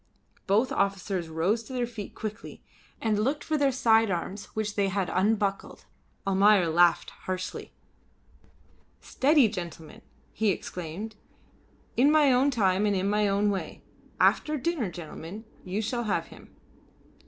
Both officers rose to their feet quickly, and looked for their side arms which they had unbuckled. Almayer laughed harshly. "Steady, gentlemen!" he exclaimed. "In my own time and in my own way. After dinner, gentlemen, you shall have him."